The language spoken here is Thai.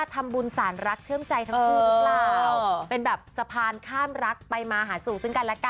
ทำบุญสารรักเชื่อมใจทั้งคู่หรือเปล่าเป็นแบบสะพานข้ามรักไปมาหาสู่ซึ่งกันละกัน